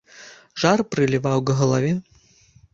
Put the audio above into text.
Жар прыліваў к галаве.